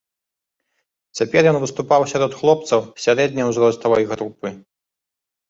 Цяпер ён выступаў сярод хлопцаў сярэдняй узроставай групы.